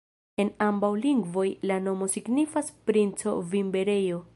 En ambaŭ lingvoj la nomo signifas: princo-vinberejo.